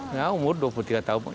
nah umur dua puluh tiga tahun